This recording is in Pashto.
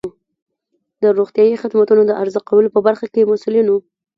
د روغتیایی خدماتو د عرضه کولو په برخه کې د مسؤلینو